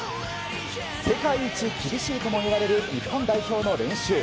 世界一厳しいともいわれる日本代表の練習。